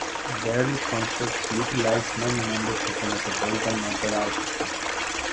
The early concerts utilized many members of the Metropolitan Opera Orchestra.